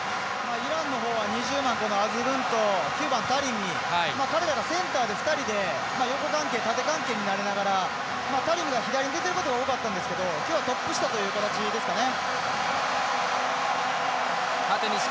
イランの方は２０番、アズムン９番、タレミ彼らがセンターで２人で横関係、縦関係になりながらタレミが左で出てることが多かったんですけど今日はトップ下という形ですかね。